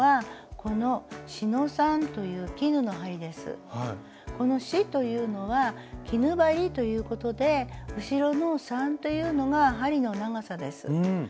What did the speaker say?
この四というのは絹針ということで後ろの三というのが針の長さです。